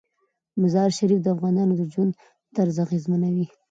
مزارشریف د افغانانو د ژوند طرز اغېزمنوي.